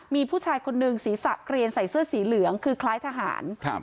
มีผู้ชายคนนึงศีรษะเกลียนใส่เสื้อสีเหลืองคือคล้ายทหาร